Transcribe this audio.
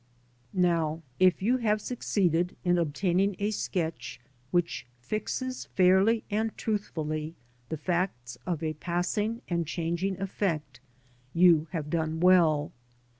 Now if you have succeeded in obtaining a sketch which fixes fairly and truthfully the facts of a passing and changing effect, you have done well.